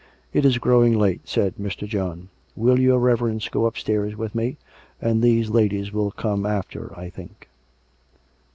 " It is growing late," said Mr. John. " Will your Rev erence go upstairs with me; and these ladies will come after, I think."